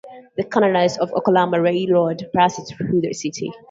The Kansas and Oklahoma Railroad passes through the city.